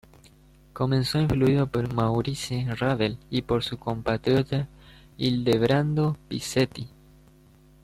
Comenzó influido por Maurice Ravel y por su compatriota Ildebrando Pizzetti.